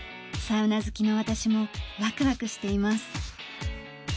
サウナ好きの私もワクワクしています。